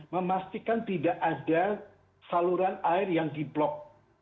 memastikan tidak ada saluran air yang di blok